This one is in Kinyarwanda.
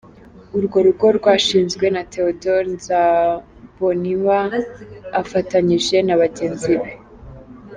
Urwo rugo rwashinzwe na Théodore Nzabonimpa afatanyije na bagenzi be.